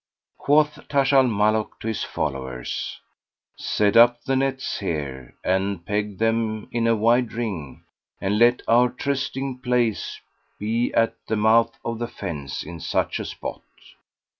Quoth Taj al Muluk to his followers, "Set up the nets here and peg them in a wide ring and let our trysting place be at the mouth of the fence, in such a spot."